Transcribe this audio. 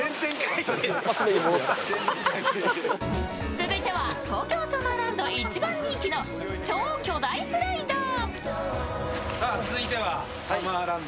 続いては東京サマーランド一番人気の超巨大スライダー。